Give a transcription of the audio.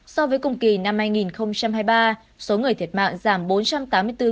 so với cùng kỳ năm hai nghìn hai mươi ba số người thiệt mạng giảm bốn trăm tám mươi bốn người